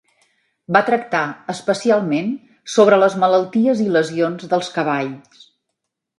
Va tractar especialment sobre les malalties i lesions dels cavalls.